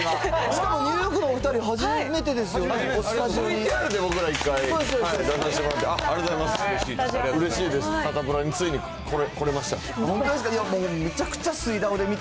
しかもニューヨークのお２人、初めてですよね、スタジオに。